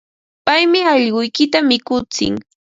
Paymi allquykita mikutsin.